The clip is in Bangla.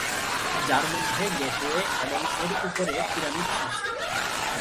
যার মধ্যে গেটওয়ে এবং এর উপরে পিরামিড শীর্ষ